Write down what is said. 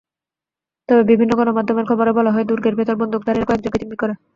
তবে বিভিন্ন গণমাধ্যমের খবরে বলা হয়, দুর্গের ভেতর বন্দুকধারীরা কয়েকজনকে জিম্মি করে।